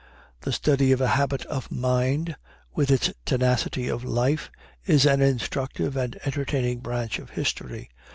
The study of a habit of mind, with its tenacity of life, is an instructive and entertaining branch of history.